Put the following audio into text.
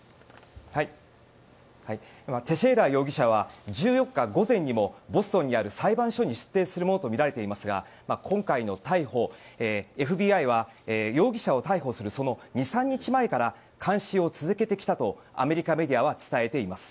テシェイラ容疑者は１４日午前にもボストンにある裁判所に出廷するものとみられていますが今回の逮捕、ＦＢＩは容疑者を逮捕するその２３日前から監視を続けてきたとアメリカメディアは伝えています。